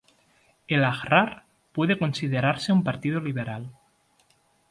El Ahrar puede considerarse un partido liberal.